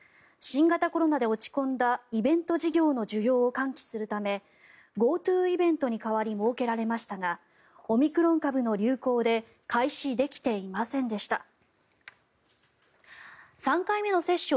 新型コロナで落ち込んだイベント事業の需要を喚起するためＧｏＴｏイベントに代わり設けられましたがオミクロン株の流行で開始できていませんでした。